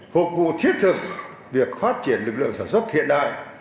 phục vụ thiết thực việc phát triển lực lượng sản xuất hiện đại